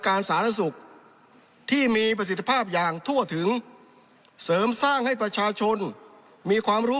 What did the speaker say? สาธารณสุขที่มีประสิทธิภาพอย่างทั่วถึงเสริมสร้างให้ประชาชนมีความรู้